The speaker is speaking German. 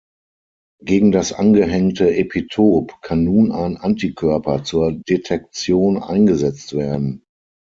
Gegen das angehängte Epitop kann nun ein Antikörper zur Detektion eingesetzt werden.